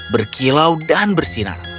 berkilau dan bersinar